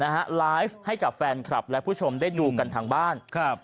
ไลฟ์ให้กับแฟนคลับและผู้ชมได้ดูกันทางบ้านครับ